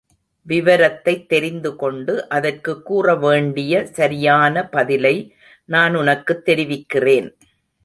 விவரத்தைத் தெரிந்துகொண்டு அதற்குக் கூறவேண்டிய சரியான பதிலை நான் உனக்குத் தெரிவிக்கிறேன்.